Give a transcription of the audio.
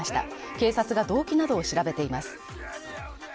警察が動機などを調べています。